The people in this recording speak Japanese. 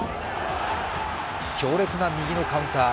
強烈な右のカウンター。